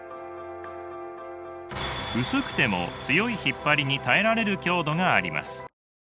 薄くても強い引っ張りに耐えられる強度があります。